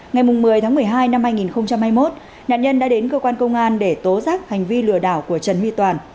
ngày một mươi tháng một mươi hai năm hai nghìn hai mươi một nạn nhân đã đến cơ quan công an để tố giác hành vi lừa đảo của trần my toàn